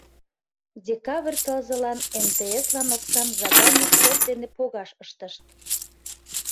Декабрь тылзылан МТС-лан оксам заданий шот дене погаш ыштышт.